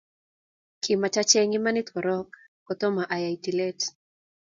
Kimach acheng imanit korok kotomo ayai tileet